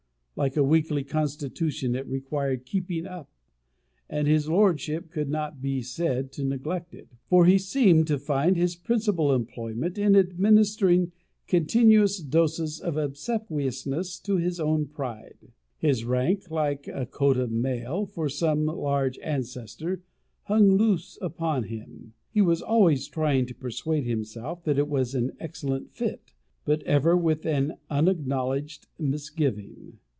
Like a weakly constitution, it required keeping up, and his lordship could not be said to neglect it; for he seemed to find his principal employment in administering continuous doses of obsequiousness to his own pride. His rank, like a coat made for some large ancestor, hung loose upon him: he was always trying to persuade himself that it was an excellent fit, but ever with an unacknowledged misgiving.